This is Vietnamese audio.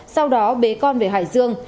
sau đó bế con về hải dương